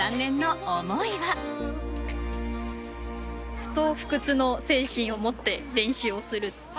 「不撓不屈の精神を持って練習をする」